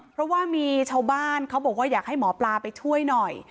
เพราะว่ามีชาวบ้านเขาบอกว่าอยากให้หมอปลาไปช่วยหน่อย